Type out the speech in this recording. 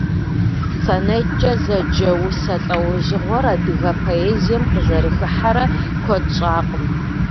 СонеткӀэ зэджэ усэ лӀэужьыгъуэр адыгэ поэзием къызэрыхыхьэрэ куэд щӀакъым.